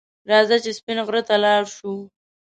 رځه چې سپین غر ته لاړ شو